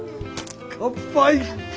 乾杯！